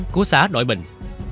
của xã đội bình